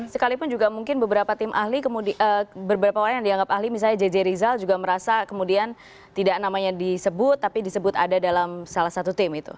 sekalipun juga mungkin beberapa tim ahli kemudian beberapa orang yang dianggap ahli misalnya jj rizal juga merasa kemudian tidak namanya disebut tapi disebut ada dalam salah satu tim itu